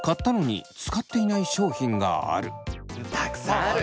たくさんある！